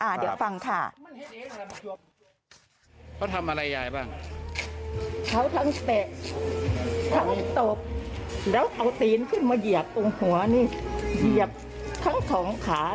เดี๋ยวฟังค่ะ